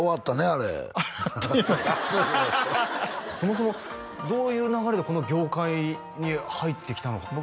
あれあっという間にそもそもどういう流れでこの業界に入ってきたのかって